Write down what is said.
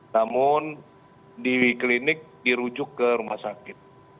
namun di klinik dirujuk ke rumah sakit